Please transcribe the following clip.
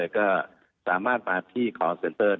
ก็สามารถมาที่คอร์เซ็นเตอร์